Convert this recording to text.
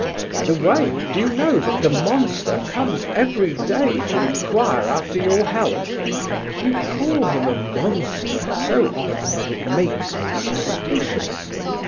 By the way, do you know that the monster comes every day to inquire after your health?" "You call him a monster so often that it makes me suspicious."